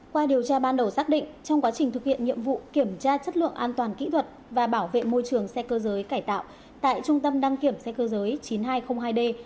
qua điều tra ban đầu xác định trong quá trình thực hiện nhiệm vụ kiểm tra chất lượng an toàn kỹ thuật và bảo vệ môi trường xe cơ giới cải tạo tại trung tâm đăng kiểm xe cơ giới chín nghìn hai trăm linh hai d